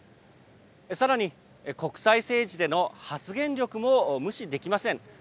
さらに国際政治での発言力も無視できません。